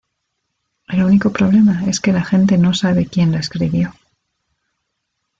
El único problema es que la gente no sabe quien la escribió.